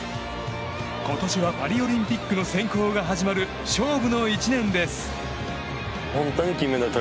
今年はパリオリンピックの選考が始まる勝負の１年です。